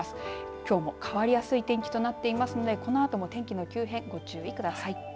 きょうも変わりやすい天気となっていますのできょうも天気の急変にご注意ください。